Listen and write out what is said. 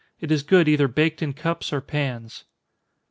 It is good either baked in cups or pans.